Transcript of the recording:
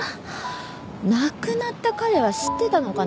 亡くなった彼は知ってたのかな？